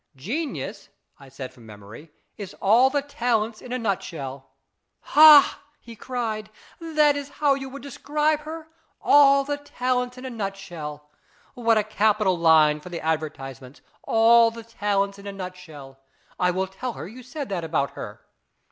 " Genius," I said from memory, " is all the talents in a nutshell." " Ha !" he cried, " that is how you would IS IT A MAN? 247 describe her? All the talents in a nutshell! What a capital line for the advertisements. All the talents in a nutshell ! I will tell her you said that about her."